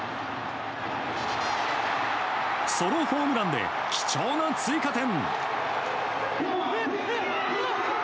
ソロホームランで貴重な追加点！